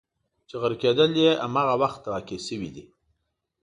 چې غرقېدل یې همغه وخت واقع شوي دي.